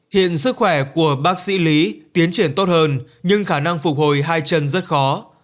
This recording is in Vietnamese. hiện sức khỏe của bác sĩ lý tiến triển tốt hơn nhưng khả năng phục hồi hai chân rất khó